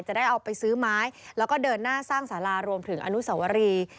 จะได้เอาไปซื้อไม้แล้วก็เดินหน้าสร้างสารารวมถึงอนุสวรี